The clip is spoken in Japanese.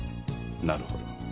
なるほど。